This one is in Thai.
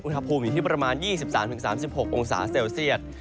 อุณหภูมิอยู่ที่ประมาณ๒๓๓๖องศาเซลเซียต